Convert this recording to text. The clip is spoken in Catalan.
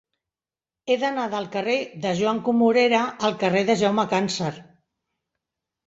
He d'anar del carrer de Joan Comorera al carrer de Jaume Càncer.